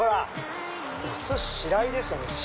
普通シライですよね。